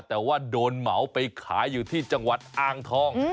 แต่ว่าโดนเหมาไปขายอยู่ที่จังหวัดอ่างทอง